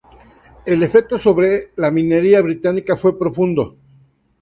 El efecto sobre la minería británica fue profundo.